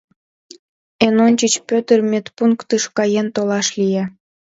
Эн ончыч Пӧтыр медпунктыш каен толаш лие.